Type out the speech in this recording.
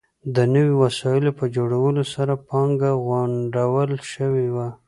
د نویو وسایلو په جوړولو سره پانګه غونډول شوې وه.